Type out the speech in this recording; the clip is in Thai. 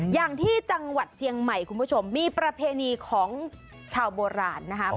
อย่างที่จังหวัดเจียงใหม่คุณผู้ชมมีประเพณีของชาวโบราณนะครับ